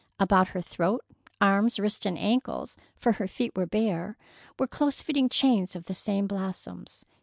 About her throat, arms, wrists, and ankles—for her feet were bare—were close fitting chains of the same blossoms.